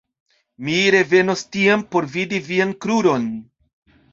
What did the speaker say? Mi revenos tiam por vidi vian kruron.